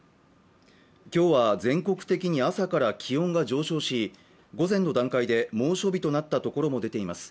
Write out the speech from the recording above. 今日は全国的に朝から気温が上昇し午前の段階で猛暑日となったところも出ています